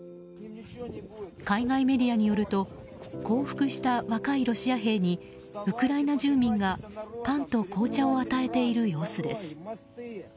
海外メディアによると降伏した若いロシア兵にウクライナ住民がパンと紅茶を与えている様子です。